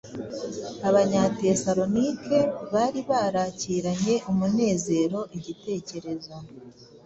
Abanyatesalonike bari barakiranye umunezero igitekerezo